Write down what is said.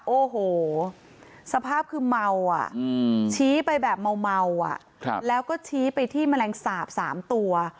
โอ้โหสภาพคือเมาอ่ะชี้ไปแบบเมาอ่ะแล้วก็ชี้ไปที่แมลงสาป๓ตัว